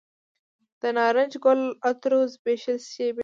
د نارنج ګل عطرو زبیښلې شیبې